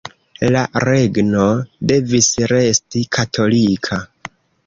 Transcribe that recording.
La „regno“ devis resti katolika.